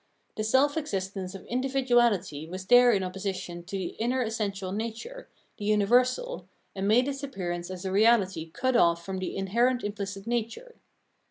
The self existence of individuahty was there in opposition to the inner essential nature, the uni versal, and made its appearance as a reahty cut off from the inherent imphcit nature.